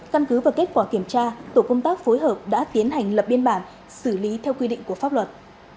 căn cứ và kết quả kiểm tra tổ công tác phối hợp đã tiến hành lập biên bản xử lý theo quy định của pháp luật